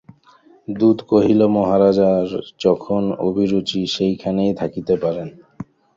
দূত কহিল, মহারাজের যেখানে অভিরুচি সেইখানেই থাকিতে পারেন।